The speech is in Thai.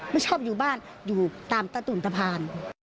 ไม่ชอบอยู่บ้านอยู่ตามตะตุ่นตะพาน